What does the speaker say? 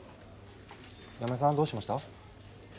山根さんどうしました？